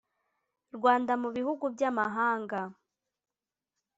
rwanda mu bihugu by amahanga